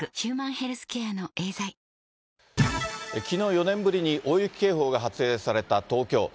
きのう、４年ぶりに大雪警報が発令された東京。